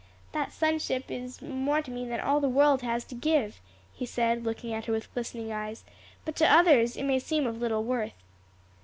"That sonship is more to me than all the world has to give," he said, looking at her with glistening eyes, "but to others it may seem of little worth."